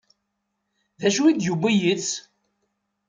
D acu i d-yewwi yid-s?